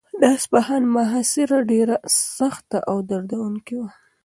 د اصفهان محاصره ډېره سخته او دردونکې وه.